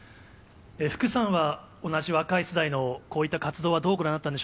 福さんは、同じ若い世代の、こういった活動はどうご覧になっ